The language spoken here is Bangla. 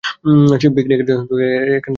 পিকনিকের জন্য এখানটা খুবই গুমোট।